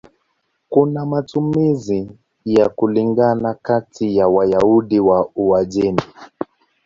Kuna matumizi ya kulingana kati ya Wayahudi wa Uajemi.